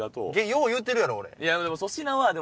よう言うてるやろ俺。